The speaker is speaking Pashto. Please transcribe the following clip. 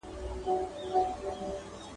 مسلکي کسان تل په خپلو کارونو بوخت وو.